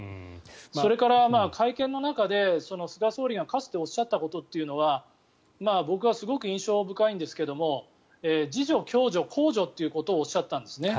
それから、会見の中で菅総理がかつておっしゃったことというのは僕はすごく印象深いんですが自助・共助・公助ということをおっしゃったんですね。